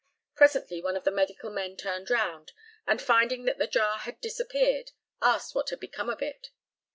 Presently one of the medical men turned round, and finding that the jar had disappeared, asked what had become of it.